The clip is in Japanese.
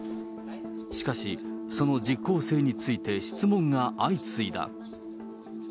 しかし、その実効性について質問が相次いだ。